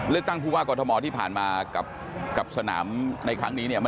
เลือกตั้งภูมิว่ากรธมศ์ที่ผ่านมากับสนามในครั้งนี้